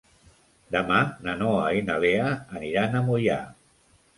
Demà na Noa i na Lea aniran a Moià.